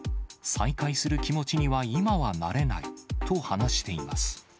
再開する気持ちには今はなれないと話しています。